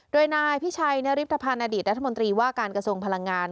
โดยนายพิชัยนริปภัณฑ์อดีตรัฐมนตรีว่าการกระทรวงพลังงาน